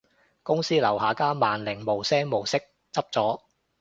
公司樓下間萬寧無聲無息執咗